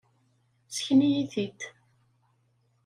Sken-iyi-t-id.